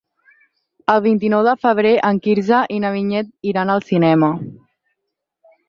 El vint-i-nou de febrer en Quirze i na Vinyet iran al cinema.